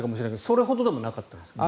それほどでもなかったんですか？